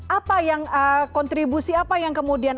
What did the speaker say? apa yang kontribusi apa yang kemudian